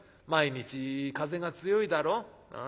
毎日風が強いだろ。